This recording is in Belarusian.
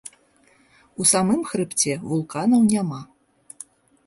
У самым хрыбце вулканаў няма.